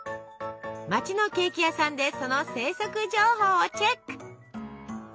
街のケーキ屋さんでその生息情報をチェック！